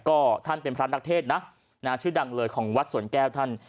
ก็ท่านเป็นพระนักเทศนะชื่อดังเลยของวัดสวนแก้วท่าน